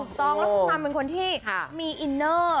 ถูกต้องแล้วคุณทำเป็นคนที่มีอินเนอร์